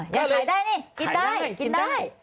อย่าขายได้นี่กินได้